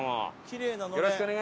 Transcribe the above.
きれいなのれん。